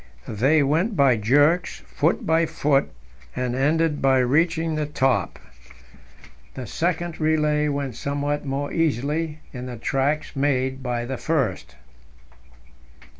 They went by jerks, foot by foot, and ended by reaching the top. The second relay went somewhat more easily in the tracks made by the first.